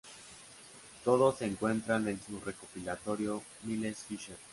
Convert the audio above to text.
Todos se encuentran en su recopilatorio, "Miles Fisher".